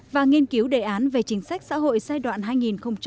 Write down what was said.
và nghiên cứu đề án về chính sách xã hội giai đoạn hai nghìn hai mươi một hai nghìn hai mươi